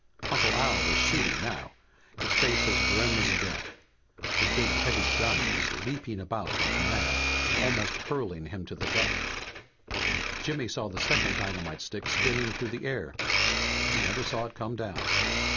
Uncle Al was shooting now, his face as grim as death. His big heavy gun was leaping about like mad, almost hurling him to the deck. Jimmy saw the second dynamite stick spinning through the air, but he never saw it come down.